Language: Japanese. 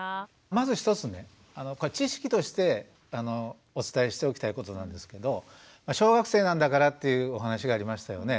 まず一つね知識としてお伝えしておきたいことなんですけど小学生なんだからっていうお話がありましたよね。